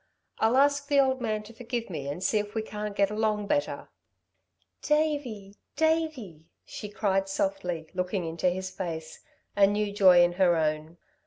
I'll ask the old man to forgive me and see if we can't get along better." "Davey! Davey!" she cried softly, looking into his face, a new joy in her own.